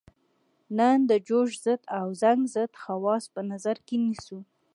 نن د جوش ضد او زنګ ضد خواص په نظر کې نیسو.